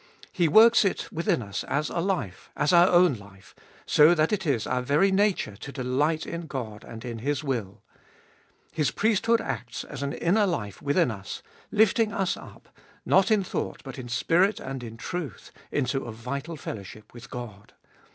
He works it within us as a life, as our own life, so that it is our very nature to delight in God and in His will. His priesthood acts as an inner life within us, lifting us up, not in thought but in spirit and in truth, into a vital fellowship with God.